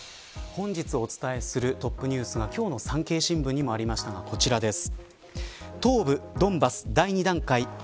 本日お伝えするトップニュースが今日の産経新聞にもありましたがこちらです。